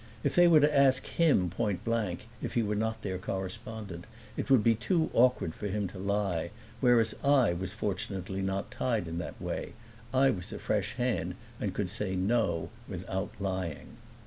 If they were to ask him point blank if he were not their correspondent it would be too awkward for him to lie; whereas I was fortunately not tied in that way. I was a fresh hand and could say no without lying.